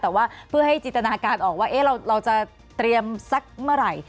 แต่ว่าเพื่อให้จินตนาการออกว่าเราจะเตรียมสักเมื่อไหร่